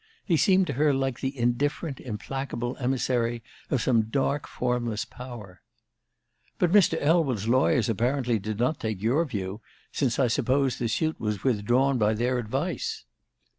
He seemed to her like the indifferent, implacable emissary of some dark, formless power. "But Mr. Elwell's lawyers apparently did not take your view, since I suppose the suit was withdrawn by their advice."